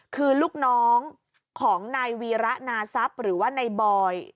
คือลูกน้องของนายวีระนาทรัพย์หรือว่านายบอย